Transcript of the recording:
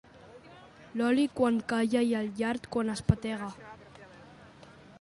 L'oli quan calla i el llard quan espetega.